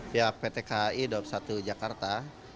pihak pt ki daup satu jakarta